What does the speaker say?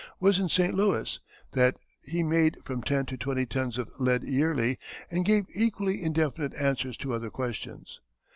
was in St. Louis, that he made from ten to twenty tons of lead yearly, and gave equally indefinite answers to other questions.